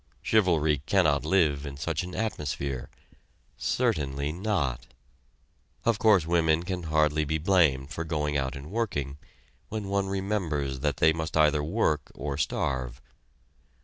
Chivalry cannot live in such an atmosphere. Certainly not! Of course women can hardly be blamed for going out and working when one remembers that they must either work or starve.